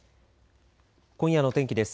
今夜の天気です。